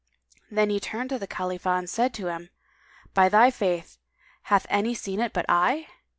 Then he turned to Khalifah and said to him, "By thy faith, hath any seen it but I?"